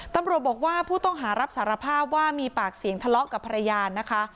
ตำรวจบอกว่าผู้ต้องหารับสารภาพว่ามีปากเสียงทะเลาะกับภรรยานะคะ